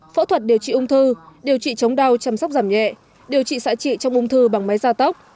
phẫu thuật điều trị ung thư điều trị chống đau chăm sóc giảm nhẹ điều trị xã trị trong ung thư bằng máy ra tóc